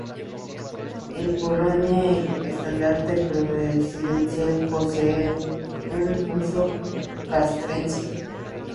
En Polonia, el estandarte presidencial posee un uso castrense.